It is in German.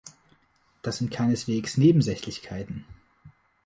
Das sind keineswegs Nebensächlichkeiten.